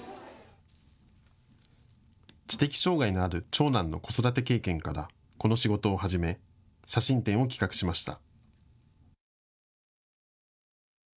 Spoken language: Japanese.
知的障害のある長男の子育て経験からこの仕事を始め写真展を企画しました。